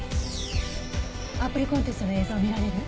アプリコンテストの映像見られる？